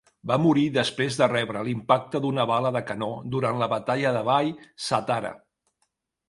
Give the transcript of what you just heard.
Va morir després de rebre l'impacte d'una bala de canó durant la batalla de Wai Satara.